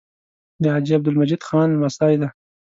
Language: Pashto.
د حاجي عبدالمجید خان لمسی دی.